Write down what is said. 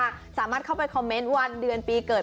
ตอนใหม่ขึ้นมาสามารถเข้าไปคอมเมนต์วันเดือนปีเกิด